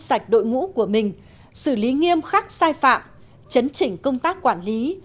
sạch đội ngũ của mình xử lý nghiêm khắc sai phạm chấn chỉnh công tác quản lý